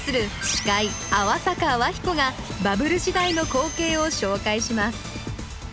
司会泡坂泡彦がバブル時代の光景を紹介します